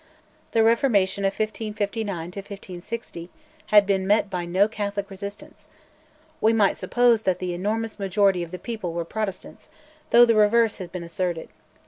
The Reformation of 1559 1560 had been met by no Catholic resistance; we might suppose that the enormous majority of the people were Protestants, though the reverse has been asserted.